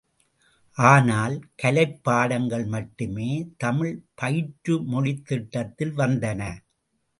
ஆனால், கலைப் பாடங்கள் மட்டுமே தமிழ் பயிற்று மொழித் திட்டத்தில் வந்தன.